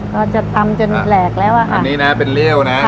ก็จะตำจนแหลกแล้วอ่ะค่ะอันนี้นะเป็นเลี่ยวนะ